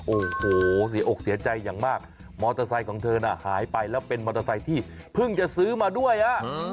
โอ้โหเสียอกเสียใจอย่างมากมอเตอร์ไซค์ของเธอน่ะหายไปแล้วเป็นมอเตอร์ไซค์ที่เพิ่งจะซื้อมาด้วยอ่ะ